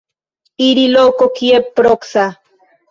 Iri loko kie proksa.